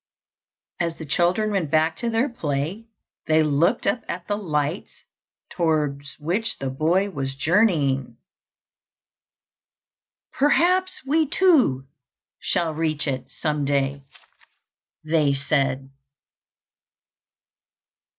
As the children went back to their play, they looked up at the light towards which the boy was journeying. "Perhaps we too shall reach it some day," they said.